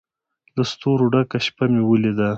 له ستورو ډکه شپه مې ولیده